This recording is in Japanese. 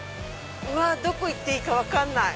どこ行っていいか分かんない。